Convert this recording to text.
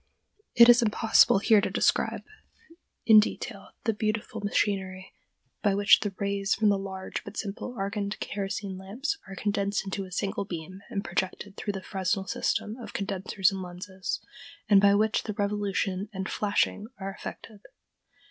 It is impossible here to describe in detail the beautiful machinery by which the rays from the large but simple argand kerosene lamp are condensed into a single beam and projected through the Fresnel system of condensers and lenses, and by which the revolution and "flashing" are effected.